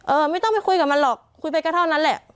ไม่ต้องไปคุยกับมันหรอกคุยไปก็เท่านั้นแหละ